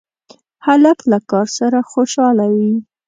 هلک له کار سره خوشحاله وي.